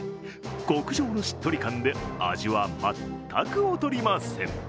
極上のしっとり感で、味は全く劣りません。